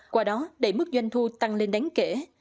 qua đó đẩy mức doanh thu tăng lên đáng kể